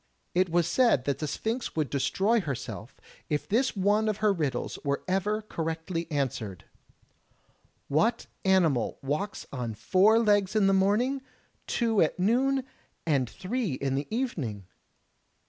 It was said that the Sphinx would destroy herself if this one of her riddles were ever correctly answered: "What animal walks on four legs in the morning, two at noon, and three in the evening?"